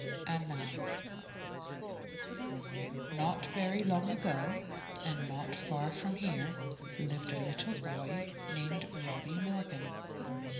ANNAN Not very long ago, and not far from here, lived a little boy named Robby Morgan.